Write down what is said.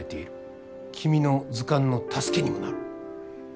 君の図鑑の助けにもなる。